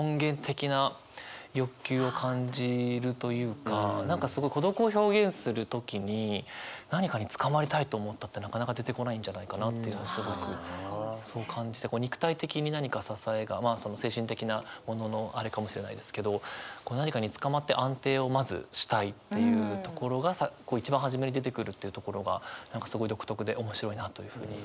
私は前半に出てくる何かすごい孤独を表現する時に「何かにつかまりたいと思った」ってなかなか出てこないんじゃないかなって感じて肉体的に何か支えがまあその精神的なもののあれかもしれないですけど何かにつかまって安定をまずしたいっていうところが一番初めに出てくるっていうところが何かすごい独特で面白いなというふうに感じました。